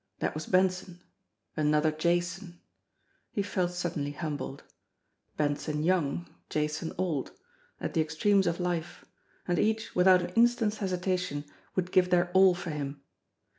That was Benson another Jason ! He felt suddenly humbled. Benson young, Jason old at the extremes of life and each without an instant's hesitation would give their all for him.